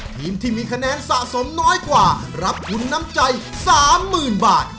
ทีมที่มีคะแนนสะสมน้อยกว่ารับทุนน้ำใจ๓๐๐๐บาท